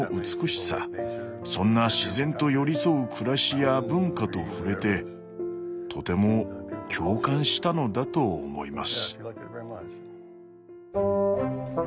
そんな自然と寄り添う暮らしや文化と触れてとても共感したのだと思います。